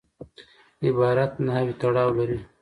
عبارت نحوي تړاو لري.